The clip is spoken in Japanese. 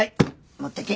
持ってけ。